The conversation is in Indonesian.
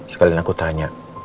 sekalian aku tanya